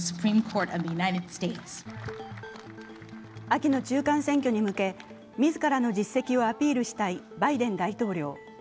秋の中間選挙に向け自らの実績をアピールしたいバイデン大統領。